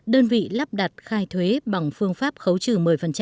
đơn vị lắp đặt khai thuế bằng phương pháp khấu trừ một mươi